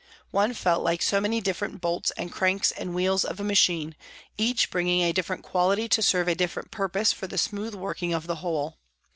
One felt like so many different bolts and cranks and wheels of a machine, each bringing a different quality to serve a different purpose for the smooth working of the whole.